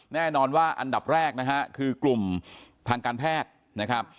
แน่นอนว่าอันดับแรกนะฮะคือกลุ่มทางการแพทย์นะครับ